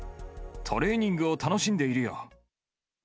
トレーニングを楽しんでいるよ。